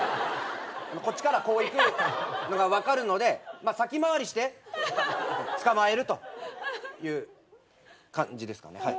こっちからこう行くのが分かるので先回りして捕まえるという感じですかね。